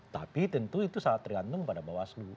tapi tentu itu sangat tergantung pada bawaslu